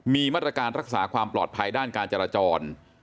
มีมาตรการรักษาความปลอดภัยด้านการจราจร